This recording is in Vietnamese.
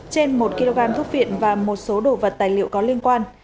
trên một kg thuốc viện và một số đồ vật tài liệu có liên quan